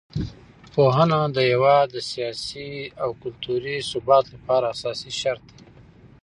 پوهنه د هېواد د سیاسي او کلتوري ثبات لپاره اساسي شرط دی.